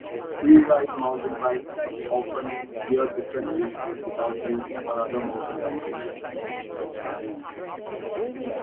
Freeride mountain bikes are often geared differently to downhill or other mountain bikes.